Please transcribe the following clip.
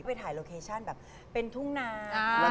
ละชุดที่ใส่